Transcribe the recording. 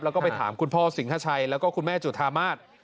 แล้วก็ไปถามคุณพ่อสิงหาชัยแล้วก็คุณแม่จุธามาศ